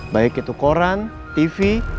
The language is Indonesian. baik itu koran tv